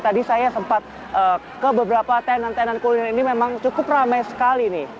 tadi saya sempat ke beberapa tenan tenan kuliner ini memang cukup ramai sekali nih